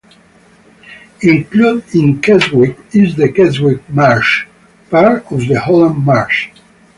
Included in Keswick is the Keswick Marsh, part of the Holland Marsh.